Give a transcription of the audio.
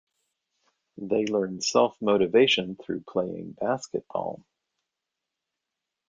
They learn self-motivation through playing basketball.